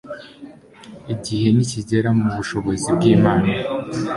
Igihe nikigera mu bushobozi bwImana